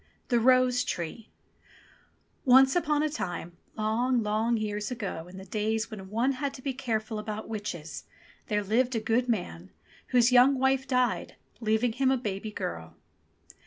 THE ROSE TREE ONCE upon a time, long long years ago in the days when one had to be careful about witches, there lived a good man, whose young wife died, leaving him a baby girl.